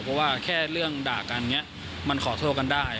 เพราะว่าแค่เรื่องด่ากันอย่างนี้มันขอโทษกันได้